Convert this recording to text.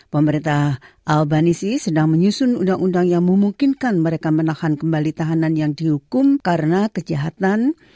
pemerintah albanisi sedang menyusun undang undang yang memungkinkan mereka menahan kembali tahanan yang dihukum karena kejahatan